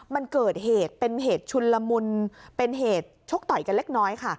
มันเกิดเหตุเป็นเหตุชุนละมุนเป็นเหตุชกต่อยกันเล็กน้อยค่ะ